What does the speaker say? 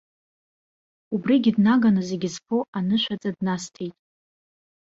Убригьы днаганы зегьы зфо анышәаӡа днасҭеит.